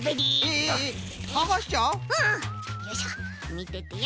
みててよ。